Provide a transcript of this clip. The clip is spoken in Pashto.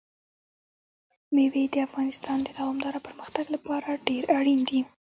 مېوې د افغانستان د دوامداره پرمختګ لپاره ډېر اړین دي.